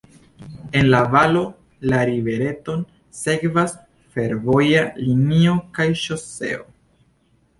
En la valo la rivereton sekvas fervoja linio kaj ŝoseo.